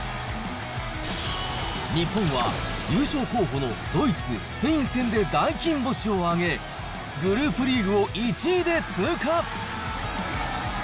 日本は優勝候補のドイツ、スペイン戦で大金星を挙げ、グループリーグを１位で通過。